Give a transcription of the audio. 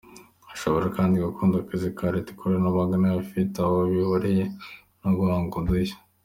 Ashobora kandi gukunda akazi ka leta, ikoranabuhanga n’ibifite aho bihuriye no guhanga udushya.